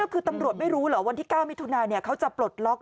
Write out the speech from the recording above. คือตำรวจไม่รู้เหรอวันที่๙มิถุนาเขาจะปลดล็อก